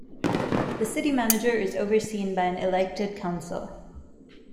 The City Manager is overseen by an elected Council.